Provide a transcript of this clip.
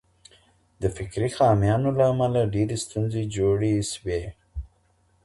د فکري خامیانو له امله ډېري ستونزي جوړي سوې.